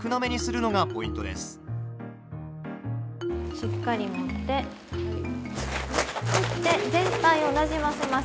しっかり持ってふって全体をなじませます。